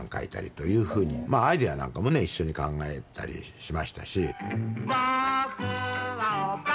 アイデアなんかもね一緒に考えたりしましたし。